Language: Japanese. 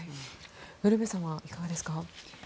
ウルヴェさんはいかがですか？